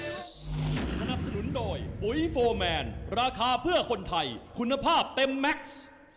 สนับสนุนโดยปุ๋ยโฟร์แมนราคาเพื่อคนไทยคุณภาพเต็มแม็กซ์